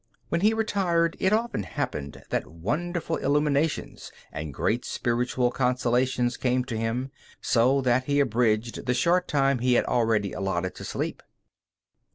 When he retired, it often happened that wonderful illuminations and great spiritual consolations came to him, so that he abridged the short time he had already allotted to sleep.